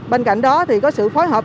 bên cạnh đó thì có sự phối hợp